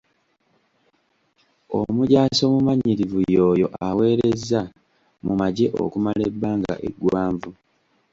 Omujaasi omumanyirivu y'oyo aweerezza mu magye okumala ebbanga eggwanvu.